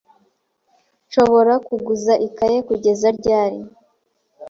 Nshobora kuguza ikaye kugeza ryari?